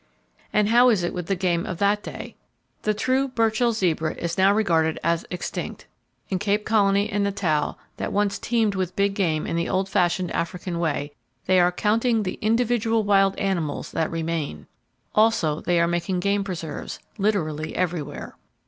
And how is it with the game of that day? The true Burchell's zebra is now regarded as extinct! In Cape Colony and Natal, that once teemed with big game in the old fashioned African way, they are counting the individual wild animals that remain! Also, they are making game preserves, literally everywhere.